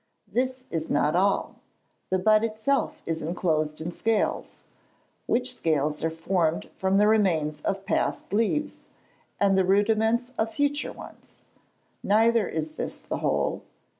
This is not all. The bud itself is enclosed in scales; which scales are formed from the remains of past leaves, and the rudiments of future ones. Neither is this the whole.